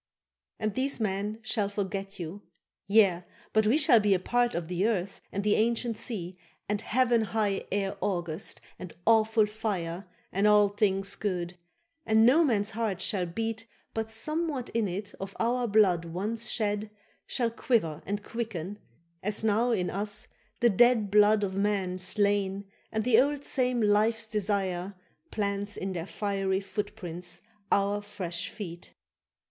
—And these men shall forget you.—Yea, but we Shall be a part of the earth and the ancient sea, And heaven high air august, and awful fire, And all things good; and no man's heart shall beat But somewhat in it of our blood once shed Shall quiver and quicken, as now in us the dead Blood of men slain and the old same life's desire Plants in their fiery footprints our fresh feet.